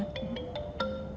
menegur jangan sampai menghina